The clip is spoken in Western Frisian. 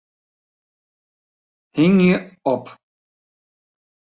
Hingje op.